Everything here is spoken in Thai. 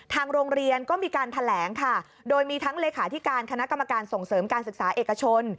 ทางโรงเรียนก็มีการแถลงค่ะโดยมีทั้งเลขาธิการคณะกรรมการส่งเสริมการศึกษาเอกชน